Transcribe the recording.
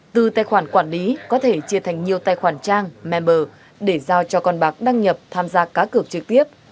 từ tài khoản quản lý có thể chia thành nhiều tài khoản trang member để giao cho con bạc đăng nhập tham gia cá cược trực tiếp